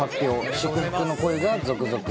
衝撃の声が続々。